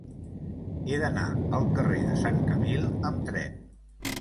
He d'anar al carrer de Sant Camil amb tren.